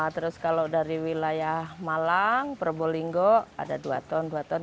terus kalau dari wilayah malang probolinggo ada dua ton